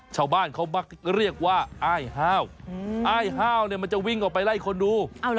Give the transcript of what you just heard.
ชาวบ้านเขามักเรียกว่าอ้ายห้าวอ้ายห้าวเนี่ยมันจะวิ่งออกไปไล่คนดู